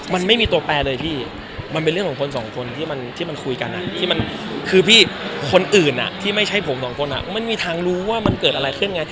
มันไม่มีตัวแปลเลยพี่มันเป็นเรื่องของคนสองคนที่มันคุยกันที่มันคือพี่คนอื่นที่ไม่ใช่ผมสองคนมันมีทางรู้ว่ามันเกิดอะไรขึ้นไง